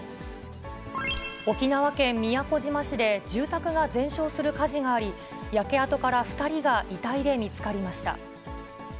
沖縄県宮古島市で住宅が全焼する火事があり、焼け跡から２人が遺体で見つかりました。